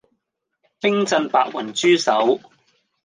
冰鎮白雲豬手